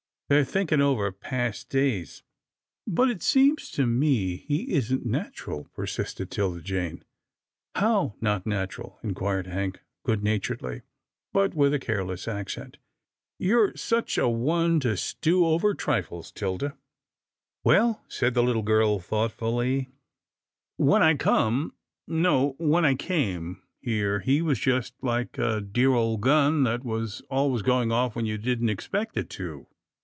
They're think ing over past days." " But it seems to me he isn't natural," persisted 'Tilda Jane. " How, not natural ?" inquired Hank good naturedly, but with a careless accent. " You are such a one to stew over trifles, 'Tilda." " Well," said the little girl thoughtfully, " when I come — no, when I came — here, he was just like a dear old gun that was always going off when you didn't expect it to.